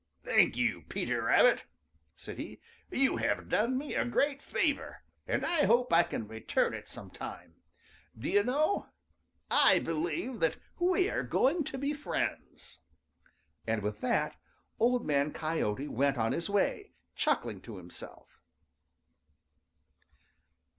"Thank you, Peter Rabbit," said he. "You have done me a great favor, and I hope I can return it some time. Do you know, I believe that we are going to be friends." And with that Old Man Coyote went on his way, chuckling to himself.